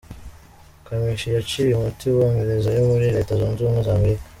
Kamichi yaciye umuti wa mperezayo muri Leta Zunze Ubumwe za Amerika.